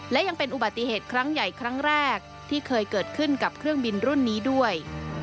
และยังเป็นอุบัติเหตุครั้งใหญ่ครั้งแรกที่เคยเกิดขึ้นกับเครื่องบินรุ่นนี้ด้วย